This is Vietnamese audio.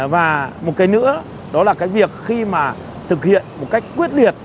và một cái nữa đó là cái việc khi mà thực hiện một cách quyết liệt